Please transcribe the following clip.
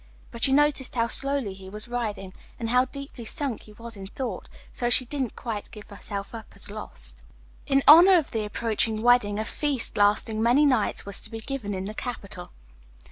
But she noticed how slowly he was riding, and how deeply sunk he was in thought, so she didn't quite give herself up as lost. In honour of the approaching wedding a feast lasting many nights was to be given in the capital.